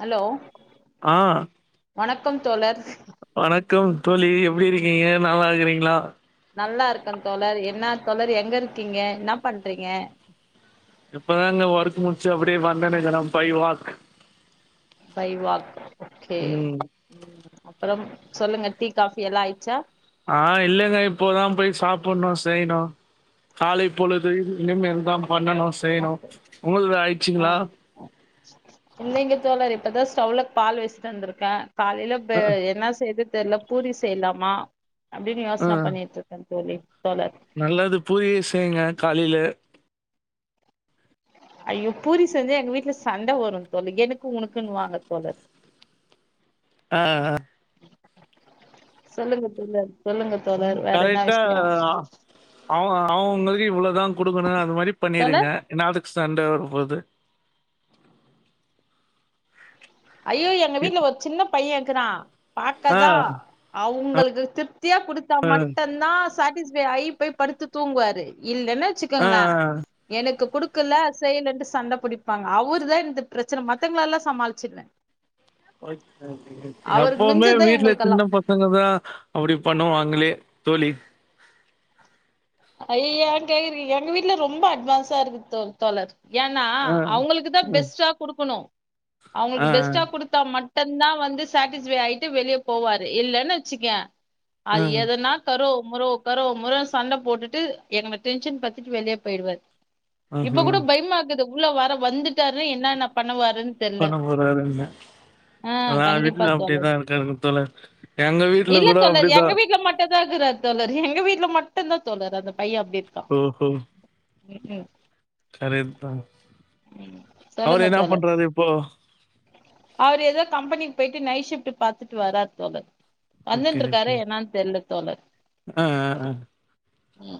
Hello ஆ வணக் கம் தோழர் வணக்கம் தோழி எப்டி இருக்கீங்க நல்லா இருக்குறீங்களா நல்லா இருக்கேன் தோழர் என்ன தோழர் எங்க இருக்கீங்க என்ன பண்றீங்க இப்பதான்ங்க ஒர்க் முடிச்சு அப்டியே வந்தேனேங்க ந by walk by walk okay ம் ம் அப்புறம் சொல்லுங்க டீ காபி எல்லாம் ஆயிடுச்சா ஆஹ் இல்லைங்க இப்போதான் போய் சாப்புட்ணும் செய்யணும் காலை பொழுது இனிமேல்தான் பண்ணணும் செய்யணும் உங்களது ஆ ஆயிடுச்சுங்களா இல்லைங்க தோழர் இப்பதா ஸ்டவ்ல பால் வச்சுட்டு வந்திருக்கேன் காலையில அ என்ன செய்து தெரியல பூரி செய்யலாமா அப்டின்னு ஆ யோசனை பண்ணிட்டு இருக்கேன் சரி நல்லது பூரிய செய்யுங்க காலையில ஐயோ பூரி செஞ்சா எங்க வீட்டுல சண்டை வரும் தோழர் எனக்கும் உனக்குன்னு வாங்க தோழர் அ அ சொல்லுங்க தோழர் சொல்லுங்க தோழர் வேற என்ன கரெக்டா விஷயோ அவ அவுங்குளுக்கு இவ்வளவு குடுக்கணோ அது மாரி தோழர் பண்ணிருக்க அதுக்கு ஸ் சண்ட வரும்போது ஐயோ எங்க வீட்ல ஒரு சின்ன பையன் இருக்குறா ஆ பாக்கதா அவுங்களுக்கு இது துப் திருப்தியா குடுத்தா மட்டும்தா சட் ஐ போய் படுத்து தூங்குவாரு இல்ன வெச்சுக்கோங்களா ஆ எனக்கு குடுக் க்குல செய்லன்டு சண்ட பிடிப்பாங்க அவுர்தா இந்த பிரச்சனை மத்தவங்களலா சமாளிச்சிருவே அவருக்கு எப்பவுமே மிஞ்சதுதா வீட்ல எங்களுக்கெல்லா சின்ன பசங்கதா அப்டி பண்ணுவாங்களே தோழி ஐய்ய கேக்றுகீங்க எங்க வீட்ல ரொம்ப அட்வான்ஸா இருக்கு தோ தோழர் ஏன்னா ஆ, அவங்களுக்கு தான் அ, பெஸ்ட்டா கொடுக்கணோ ஆ, அவங்களுக்கு பெஸ்ட்டா கொடுத்தா மட்டு ம்தான் வந்து சாட்டிஸ் ஃபை ஆயிட்டு வெளியே போவாரு இல்லன்னு வெச்சுக்கே ஆ, அது எதுனா கரோ முறோ கரோ முற சண்ட போட்டு எங்க டென்ஷன் பத்துட்டு வெளியே போயிடுவார் இப்ப ஆஹா. கூட பயமா குது உள்ள வர வந்துட்டாரு என்ன என்ன பண்ணுவார் பண்ண போறாருங்க ஆ எல்லார் கண்டிப்பா வீட்ல தோழர் அப்படிதான் இருக்கருங்க தோழர் எங்க வீட்ல கூட அப்டிதா இதா இருக்குறாரு தோழர் எங்க வீட்ல மட்டுந்தா தோழர் அந்தப் பைய அப்பிடிருக்கா ம் ம் சரிதுதா அவரு என்ன பண்றாரு இப்போ அவர் ஏதோ கம்பெனிக்கு போயிட்டு நைட் ஷிஃப்ட் பாத்துட்டு வராரு தோழர். வந்துன்றுக்காரே என்னானு தெர்ல தோழர் அ அ அ ம்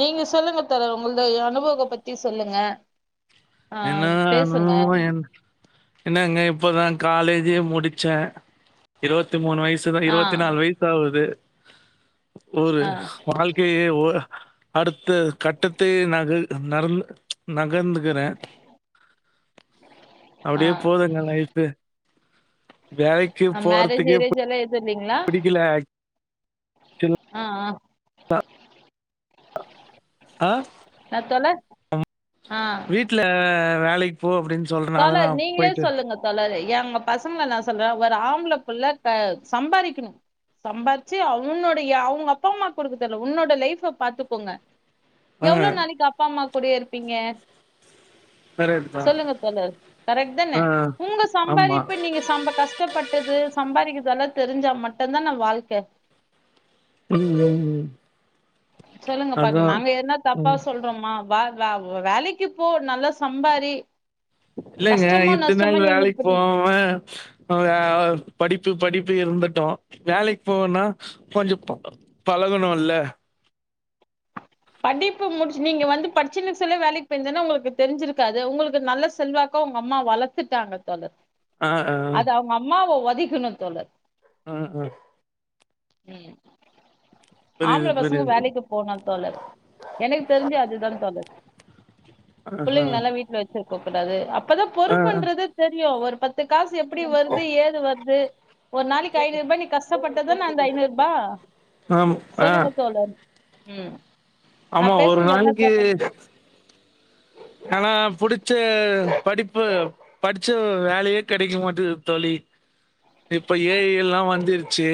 நீங்க சொல்லுங்க தோழர் உங்கள்து அனுபவத்த பத்தி சொல்லுங்க ஆ என்னானூ பேசுங்க என் என்னங்க இப்பதா காலேஜே முடிச் சே இருபத்தி மூணு வை சு ஆ இருபத்தி நாலு வயசு ஆவுது ஒரு ஆ வாழ்க்கையே ஓரா அடுத்த கட்டத்தையே நகர் நர்ந் நகந்துகிறே ஆ அப்டியே போதூங்க லைஃபு வேலைக்கு போறதுக்கே செர்வீங்களா பிடிக்கல ஆக்சுவலா. ஆ ஆ ஆ [inaudible] நா தோழர் ஆ வீட்ல வேலைக் போ அப்டின் தோழர் நீங்களே சொல்லுங்க தோழர் எ ஏ உங்க பசங்கள நா சொல்றே ஒரு ஆம்ப்ளபுள்ள க சம்பாரிக்கணூ சம்பாரிச்சு அவன்னோடைய அவுங்க அப்பாம்மாக் குடுக்க தேவல்ல உன்னோட லைஃப்ப பாத்துக்கோங்க ஆ எவ்ளோ நாளிக்கு அப்பாம்மாக் கூடயே இருப்பீங்க கரேட் தா சொல்லுங்க தோழர் கரெட் தான உங்க ஆமா. சம்பாரிப்பு நீங்க சம்ப கஷ்டப்பட்டது சம்பாரிக்கிற்தெல்லா தெரிஞ்சா மட்டுந்தான வாழ்க்க ம் ம் சொல்லுங்க பாக் அதான். நாங்க என்னா தப்பா ம். சொல்றோமா வே வே வேலக்கி போ நல்லா சம்பாரி இல்லேங்க கஷ்டமோ இத்துன்நாள் நஷ்டமோ நீங்க வேலைக் இப்படி போவாம ஆ படிப்பு படிப் ப்டியே இருந்துட்டோ வேலைக் போவுன்னா கொஞ்சோ பழகணூல்ல படிப்பு முடுச் நீங்க வந்து படிச்சுன்னோஸ்லே வேலைக் போயிருந்தனா உங்களுக்கு தெரிஞ்சிருக்காது உங்களுக்கு நல்ல செல்வாக்கா உங்கம்மா வளத்துட்டாங்க தோழர் ஆ, ஆ. அது அவுங்கம்மாவ ஒத் தீக்கணூ தோழர் அ அ ம் புரியுது ஆம்ப்ள பசங்க புரியுது வேலைக்கு போணூ தோழர் எனக்கு தெரிஞ்சு அதுதா தோழ எ ஆஹா புள்ளைங்கலா வீட்ல வச்சிருக்கக்கூடாது அப்பதா ஆ பொறுப்புன்றது தெரியூ ஒரு பத்து காசு எப்டி வருது ஏது வருது ஒரு நாளிக்கு ஐநூற்ரூபா நீ கஷ்டப்பட்டாதான அந்த ஐநூற்ரூபா ஆம் ஆ சொல்லுங்க தோழர் ம் நா ஆமா ஒரு பேசுனது என்ன நாளைக்கு தப்புன்னு ஆனா புடுச்ச படிப்பு படிச்ச வேலயே கெடைக்க மாட்டது தோழி இப்ப ஏ ஐ எல்லா வந்துருச்சு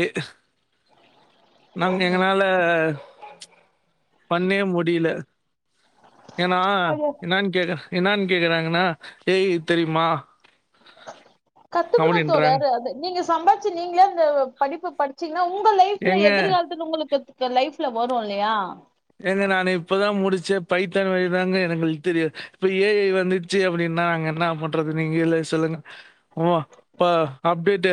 நாங்க ம் எங்கனால பண்ணே முடில ஏனா அது என்னன்னு கேக்கற என்னான் கேக்குறாங்கன்னா ஏ ஐ தெரியுமா கத்துக்கணு அப்டின்றாங்க தோழர் அது நீங்க சம்பாச்சு நீங்களே இந்த படிப்பு படுச்சி ங்னா உங்க லைப்ல ஏங்க எதிர்காலத்து உங்களுக்கு உங்க லைஃப்ல வரு இல்லையா ஏங்க நானே இப்பதா முடிச்சே பைத்தான் வழிதாங்க எங்களுக்கு தெரியு இப்ப ஏ ஐ வந்துச்சு அப்டின்னா நாங்க என்ன பண்றது நீங்களே சொல்லுங்க ஓ இப்ப அப்டேட்டு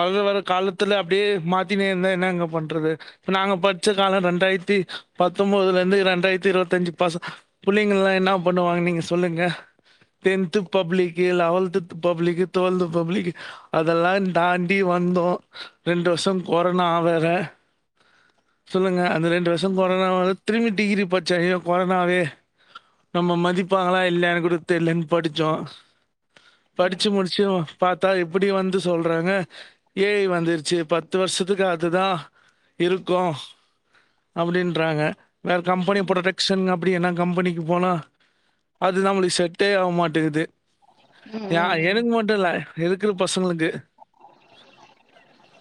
வர வர காலத்துல அப்டியே மாத்தினே இந்தா என்னங்க பண்றது இப்ப நாங்க படுச்ச காலோ ரெண்டாயிரத்தி பத்தொம்போதுல இருந்து ரெண்டாயிரத்தி இருவத்தஞ்சு பசங் புள்ளேங்களா என்னா பண்ணுவாங்க நீங்க சொல்லுங்க டென்த் பப்ளிக்கு லெவல்த்து பப்ளிக்கு டுவெல்த்து பப்ளிக்கு அதெல்லாந் தாண்டி வந்தோ ரெண்டு வருஷோ கொரோனா வேற சொல்லுங்க அந்த ரெண்டு வருஷ் இப்ப சைனா கொரோனாவே நம்ம மதிப்பாங்களா இல்லயானுக்கூட தெர்லன்னு படிச்சோ படுச்சு முடிச்சு பாத் தா இப்டி வந்து சொல்றாங்க ஏ ஐ வந்துருச்சு பத்து வருஷத்துக்கு அதுதா இருக்கூ அப்டின்றாங்க வேற கம்பெனி ம் ப்ரொடெக்க்ஷன் அப்டி என்னா கம்பெனிக்கு போனா அது நம்மளுக்கு செட்டே ஆகமாட்டேங்குது ம் யா ம் எனக்கு மட்டு இல்ல இருக்கிற பசங்ளுக்கு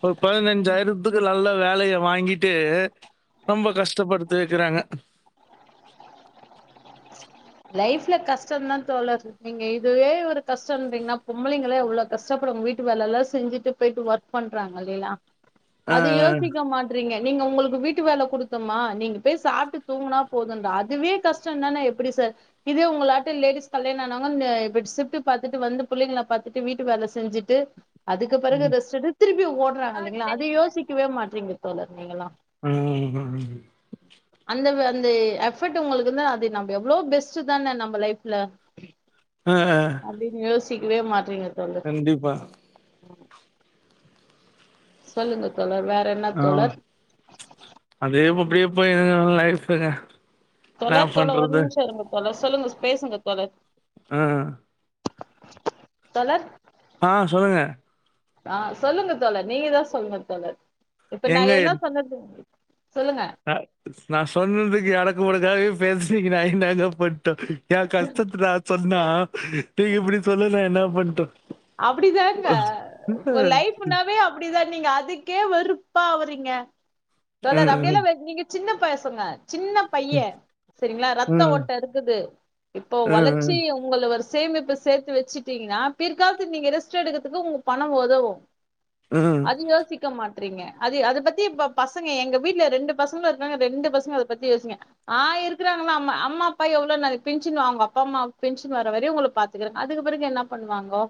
ஒரு ம் பதினஞ்சாயிரத்துக்கு நல்ல வேலைய வாங்கிட்டு ரொம்ப ம் கஷ்டப்படுத்து வெக்கிறாங்க லைவ்ல கஷ்டந்தா தோழரு நீங்க இதுவே ஒரு கஷ்டோன்றீங்னா பொம்பளைங்களா எவ்ளோ கஷ்டப்படு வீட்டு வேல எல்லா செஞ்சுட்டு போயிட்டு ஒர்க் பண்றாங்க இல்லேளா அது அ. யோசிக்க மாட்றீங்க நீங்க உங்களுக்கு வீட்டு வேல குடுத்தம்மா நீங்க போய் சாப்ட்டு தூங்குனா போதுன்தா அதுவே கஷ்டோனா நா எப்பிடி சார் இதே உங்கள ஆட்டு லேடிஸ் கல்யாண ஆனவங்க ன இப்டி சிப்ட் பாத்துட்டு வந்து புள்ளைங்கள பாத்துட்டு வீட்டு வேல செஞ்சுட்டு அதுக்கு ம் பிறகு ரெஸ்ட்டெடு திருப்பி ஓடறாங்க இல்லைங்களா அதை யோசிக்கவே மாட்றீங்க தோழர் நீங்கெல்லா ஆஹ் ஆஹ் ந்தே எவட் உங்களுக்கிருந்தா அது நம்ப எவ்ளோ பெஸ் சுதான நம்ம லைஃப்ல உ ஆஹ க்வே மாட்றீங்க தோழர் சொல்லுங்க தோழர் வேற என்ன ஆ தோழர் அதே அப்டியே போயினுருங்கவ லைஃப்ங்க என்னா தோழர் தோழ ஒரு பண்றது நிமிஷோ இருங்க தோழர்ஸ் சொல்லுங்க ஸ்பேசுங்க தோழர் ஆ தோழர் ஆ சொல்லுங்க ஆ சொல்லுங்க தோழர் நீங்க தா சொல்லுங்க தோழர் இப்ப நா எங்க என்ன சொன்னது சொல்லுங்க அ நா சொன்னதுக்கு எடக்கு முடக்காவே பேசிக் நா இந்தாங்க பன்டோ ஏ கஷ்டத்னா சொன்னா நீங்க இப்படி சொல்ல நா என்ன பண்டு அப்டிதாங்க ஒரு லைஃப்னாவே அப்டிதா நீங்க அதுக்கே வெறுப்பா அவுறீங்க சொல்ராரு அப்டியெல்லா ம் வெ நீங்க சின்ன பசங்க சின்ன பையே செரிங்களா ம் ரத்த ம் ஓட்ட இருக்குது இப்போ வளர்ச்சி உங்கள வருஷ் சேமிப்பு சேத்து வெச்சுட்டீங்னா பிர் க்காவது நீங்க ரெஸ்ட் எடுக்குறதுக்கு உங்க பணோ ஒதவு ம் அது யோசிக்க மாட் அ அத பத்தி இ பசங்க எங்க வீட்டுல ரெண்டு பசங்களும் இருக்காங்க ரெண்டு பசங்க அதை பத்தி யோசிங்க ஆ இருக்கிறாங்கள அ அம்மா அப்பா எவ்ளவு ந பென்ஷன் வாங்க அப்பா அம்மா பென்ஷன் வர்ற வரையும் உங்களை பாத்துக்கிறாங்க அதுக்கு பிறகு என்ன பண்ணுவாங்க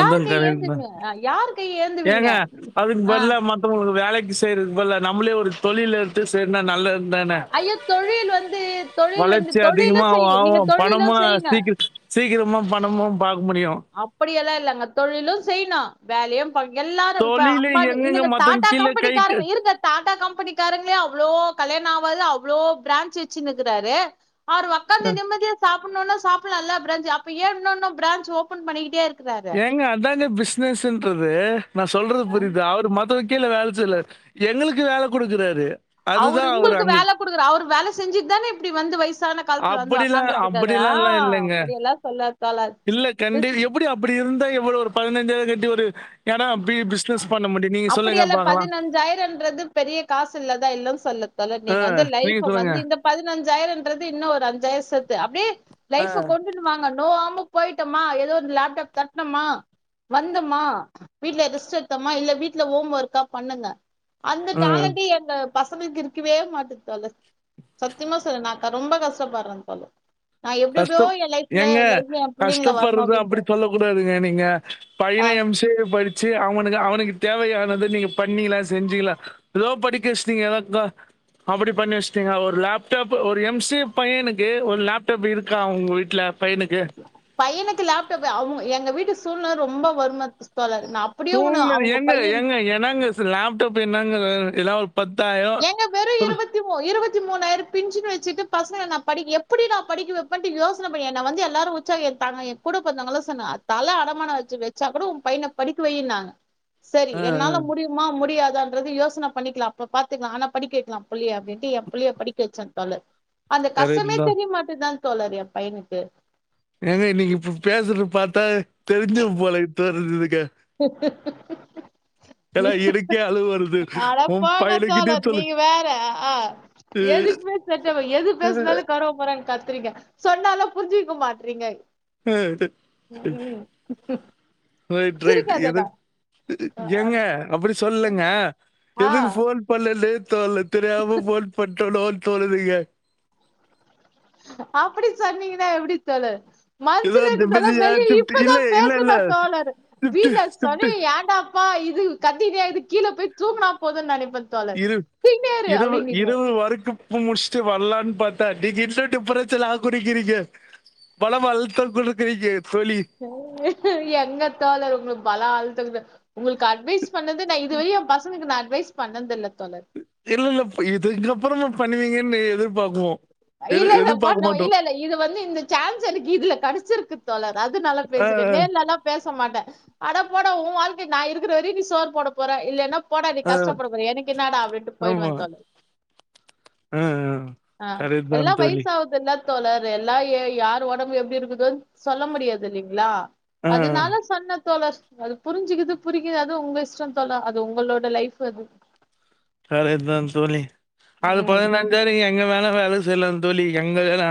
அதான் கரட் தான் யாரு கை ஏந்துவீங்க ஏங்க அதுக்கு ஆ பதிலா மத்தவங்களுக்கு வேலைக்கு செய்றதுக்கு பதிலா நம்மளே ஒரு தொழில் எடுத்து செய்தா நல்ல ஐயோ தொழில் வந்து தொழில் வந்து வளர்ச்சி அதிகமா தொழிலும் செய் நீங்க ஆகும் தொழிலும் பணமும் செய்யுங்க சீக்கிரம் சீக்கிரமா பணமும் பாக் அப்படியெல்லாம் இல்லங்க தொழிலும் செய்யனும் வேலையும் எல்லாரும் இப்ப தொழில அம்பானி எங்கெங்க இல்லங்க மத்தவங்க டாடா கீழே கம்பெனிக்கார கைக்கு இருக்க டாடா கம்பெனிக்காரங்களே அவ்வளோ கல்யாண ஆவாது அவ்வளோ பிரான்ச் வச்சுனுக்கிறாரு அவர் உக்காந்து அஹ், நிம்மதியா சாப்பிடணும்னா சாப்பிடலால்ல பிரன்ஜ் அப்ப ஏன் இன்னொனும் பிரான்ஜ் ஓ பன் பண்ணிக்கிட்டே இருக்கு ஏங்க அதாங்க பிசினஸ்இன்றது நான் சொல்றது புரியுதா அவர் மத்த கீழ வேலை செய்யல்ல எங்களுக்கு வேலை கொடுக்குறாரு அவுரு அதுதான் அவர் உங்களுக்கு அங்க வேல குடுக்கற அவுரு வேல செஞ்சுட்டு தான இப்புடி வந்து வயசான காலத்துல வந்து அப்படிலாம் உக்காந்துட்டு இருக்காதடா அப்படிலாம் எல்லாம் இல்லைங்க அப்டியெல்லா சொல்ல ட்டால [inaudible] இல்ல கண்டி எப்படி அப்படி இருந்தா எவ்ளோவு ஒரு பதினைஞ்சாயிரோ கட்டி ஒரு ஏன்னா அ பிசினஸ் பண்ண முடியும் நீங்க சொல்லுங்க அப்படியல்ல பார்க்கலாம் பதினஞ்சாயிரம்ன்றது பெரிய காசு இல்லதா இல்லன்னு சொல்லத் தல ஆ, நீங்க வந்து நீங்க லைஃப் சொல்லுங்க வந்து இந்த பதினஞ்சாயிரம்ன்றது இன்னு ஒரு அஞ்சாயிரம் சேத்து அப்டியே ஆ, லைஃப் கொண்டுன்னு வாங்கன்னோ ஓ ஆமா போயிட்டோமா ஏதோ லேப்டாப் தட்னமா வந்தோமா வீட்ல ரெஸ்ட் எடுத்தமா இல்ல வீட்டு்ல ஹோம் ஒர்க்கலா பண்ணுங்க அந்த ஆ. டேலண்ட் எங்க பசங்கக்கு இருக்கவே மாட்டேது தல சத்தியமா சொல்ற நா ரொம்ப கஷ்டப்படுறே தல கஷ்ட ஏங்க புள்ளைங்கள வரணு கஷ்டப்படுறது அப்டின்ட்டு அப்புடி சொல்ல கூடாதுங்க நீங்க பையண ஆ எம் சி ஏ படி செரி அவனுக்கு அவனுக்கு தேவையானது நீங்க பண்ணிலா செஞ்சீங்கலா லோ படிக்க வெச்சிடீங்க [unintelligible] அப்பாடி பண்ணி வெச்சிடீங்க ஒரு லேப்டாப் ஒரு எம் ஸி பையனுக்கு ஒரு லேப் டாப் இருக்கா உங்க வீட்ல பையனுக்கு லேப்டாப் அவ எங்க வீட்டு சூழ்நெல ரொம்ப வரும தோழர் நா அப்படியே ஒண்ணு தூங்னது அவங்க எங்க பையன் எங்க என்னங்க லேப்டாப் என்னங்க எல்லாப் ஏங்க வெறு இருபத்தி மூண் இருபத்தி த்தி மூணாயிரம் பின்ஷன் வெச்சிட்டு பசங்க நா படி எப்படி நான் படிக்க வைப்பேன்ட்டு யோசன பண்ணே என்ன வந்து எல்லாரும் உச்சாகேட்டாங்க என் கூட பொறந்தவங்கல சொன்னே தல அடமானம் வச்சு வெச்சா கூட உன் பையன படிக்க வைன்னாங்க செரி ஆ, ஆ. என்னால முடியுமா முடியாது ன்றது யோசன பண்ணிக்கலா அப்பப் பாத்துக்கலா ஆனா படிக்வேக்கலா புள்ளியை அப்டின்ட்டு என் புள்ளைய படிக்க வச்சே தல அந்த கரெக்ட் கஷ்டமே தான். தெரியமாட்டுது தா தோழர் என் பையனுக்கு ஏங்க இன்னைக்கி இப்ப பேசுறது பாத்தா தெரிஞ்ச போலனட்டு தா இருக்குதுங் ஏன்னா எனக்கே அழுவ வருது. அட உன் போங்க பையனுகிட்டயே தோழர் சொல்லு. நீங்க வேற ஆஹ் எதுக்குமே செட் எது பேசுனாலு [unintelligible] ரிங்க சொன்னாலு புரிஞ்சக்க மாட்டறீங்க அ [unintelligible] ரைட் எது சிரிக்காதடா ஆ ஆ. எஏங்க அப்பாடி சொல்லுலங்க ஆ, எதுக்கு ஃபோன் பண்ண [unintelligible] த்துல தெரியாம ஃபோன் பண்டனோ தோணுதுங்க அப்புடி சொன்னீங்கன்னா எப்புடி தோழர் ஏதோ மனுசனுக்கு இதெல்லா நிம்மதியா வெளியே ஷிஃப்ட் இப்பதா இல்ல இல்ல இல்ல பேசணு தோழர் ஷிஃப்ட் வீட்ல ஷிஃப்ட் சனியன் ஏன்டாப்பா இது கண்டினியாய்ட் கீழே போய் தூங்கனா போது நெனப்போ இரு இருவு இருரவு வரைக்கு பு முடிச்சுட்டு வரலான் பாத்தா நீங்க இல்லான்ட்டு பிரச்சல்லா குடுக்கிறீங்க மணம் அழுத்தம் குடுக்கறீங்க எங்க எங்கத் தோழர் உங்களுக் மண ஆழுத்தம் ப உங்களுக்கு அட்வைஸ் பண்ணது நா இதுவரை எ பசங்கக்கு நா அட் வைஸ் பண்ணதுல்ல இல்ல இல்ல பு இது இதுலப் அப்புறோம பண்ணுவீங்கன்னு எதிர்பார்க்குவோம் இல்ல எது- இல்ல எதிர்பார்க்க பண்ண இல்ல மாட்டோம் இல்ல இது வந்து இந்த சான்ஸ் எனக்கு இதுல கெடச்சிருக்கு தோழர் அதுனாலா ஆ, பேசுர நேர்லலா பேச மாட்டே அட போட உ வாழ்க நா இருக்குற வரையு நீ சோறு போட போறே இல்லன போட நீக் ஆ, கஷ்டப்படபோறே எனக்கு என்னடா அப்டின்ட்டு ஆ, போய்டுவே ஆமா தோழர் ஆ, ஆ. ஆஹ் கரெக்ட் தான் எல்லா தோழி. வயசாவுதுல்ல தோழர் எல்லா ய யாரு ஒடம்பு எப்டி இருக்குதுன் சொல்ல முடியாது இல்லைங்களா ஆ, அதுனால சொன்ன தோழர் அது புரிஞ்சுக்குது புரிக்குறது உங்க இஷ்டொ தோழர் அது உங்களோட லைஃப் அது சரிதான் தோழி அது ம் பதினஞ்சா நீங்க எங்க வேணா வேல செய்லா தோழி எங்க வேணா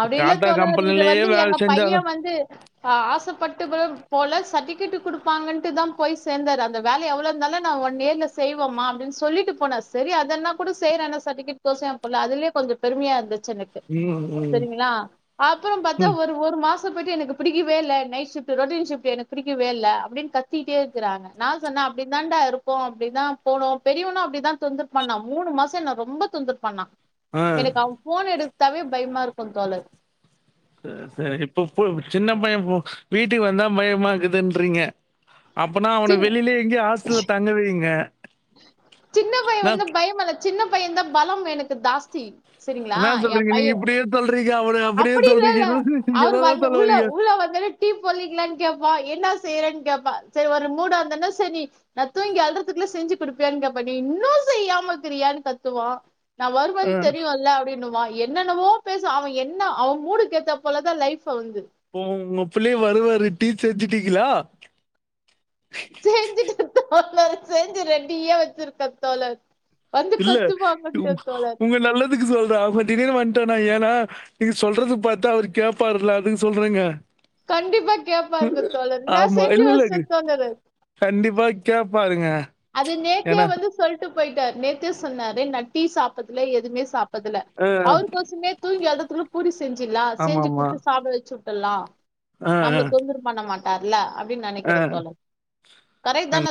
அப்டி இல்ல டாடா தோழர் இது கம்பெனிலயே வந்து வேலை எங்க செஞ்சா பைய தான் வந்து ஆ ஆசப்பட்டு பு போல சடிஃபிகேட் குடுப்பாங்கன்ட்டு தா போய் சேந்தாரு அந்த வேல எவ்ளோ இருந்தாலு நா ஒன் இயர்ல செய்வேமா அப்டின்னு சொல்லிட்டு போனா செரி அதெல்லா கூட செய்ர ஆனா சர்டிஃபிகேட் கொர்ஸ்ஸெ ஏ புல்ல அதுவே கொஞ்ச பெருமையா இருந்துச் உம் உம் செரிங்களா அப்றோ பாத்தா ஒரு ஒரு மாச் போய்டு எனக்கு பிடிக்கவே இல்ல நைட் ஷிஃப்ட் ரொட்டீன் ஷிஃப்ட் எனக்கு பிடிக்கவே இல்ல அப்டின்னு கத்திட்டேருக்காங்க நா சொன்னே அப்டி தான்டா இருக்கு அப்டிதா போனு பெரியவனு அப்டிதா தொந்தர் பண்ணா மூணு மாசோ என்ன ரொம்ப தொந்தர் பண்ணா எனக்கு அவ ஃபோன் எடு த்தாவே பயமா இரு செரி செரி இப்பொ ஃபுல் சின்ன பைய வு வீட்டுக்கு வந்தா பயமாக்குதுன்றீங்க அப்பனா சின்ன அவன வெளிலயே எங்கயா ஹாஸ்டல்ல தங்க வைங்க சின்ன பய வந்து பயமல சின்ன பையந்தா பலம் எனக்கு தாஸ்தி என்ன சொல்றீங்க நீங்க இப்டியு சொல்றீங்க அப் அப்டி இல்லல்ல அவரு வந்து சொல்ல உள்ள வர்றீங்க? உள்ள வந்தோன டீ போட்லிங்களானு கேப்பா என்ன செய்யறேனு கேப் வா செரி ஒரு மூடாந்தன்னா செரி நீ நா தூங்கி எழ்றதுக்குள்ள செஞ்சு குடுப்பியானு கேப்பாங்க இன்னு செய்யாமக்கிறியான்னு கத்துவா நா ஆ. வருவேன்னு தெரியுல அப்டின்னுவா எ என்னென்னவோ பேசுவா அவே என் னா அவ மூடு கேத்த போல தா லைஃப் இப்போ உங்க பிள்ளை வருவாரு டீச்சர் இஞ்சி டீங்கிளா செஞ்சிட்டு [unintelligible] செஞ்சு ரெடியா வச்சிருக்கே தோழர் வந்து இல்ல உ கத்துவாங்கட்டு தோழர் உங்க நல்லதுக்கு சொல்றே அவே திடீர்னு வந்ட்டானா ஏனா நீங்க சொல்றது பாத்தா அவரு கேப்பாருல அதுக்கு சொல்றேங்க கண்டிப்பா கேப்பாருங்க தோழர் நா ஆமா. செஞ்சு இல்ல, இல்ல. வச்சுட்டே தோழரு பாருங்க அது நேத்தே வந்து சொல்ட்டு போய்ட்டாரு நேத்தே சொன்னாரு நா டீ சாப்டதுல எதுமே சாப் துல அ, அவருக்கொசமே தூங்கியா [unintelligible] [unintelligible] செஞ்சுலா செஞ்சு ஆமாமா. குடுத்து சாப்பிட வச்சு ல்லா அ, நம்மள தொந்தர் பண்ண மாட் வர்ல அப்டின் அ, நெனைக்கிற தோழர் கரை அ. தான